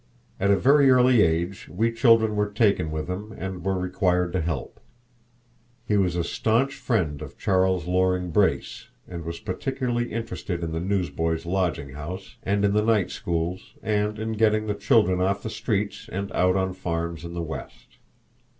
At a very early age we children were taken with him and were required to help. He was a staunch friend of Charles Loring Brace, and was particularly interested in the Newsboys' Lodging House and in the night schools and in getting the children off the streets and out on farms in the West.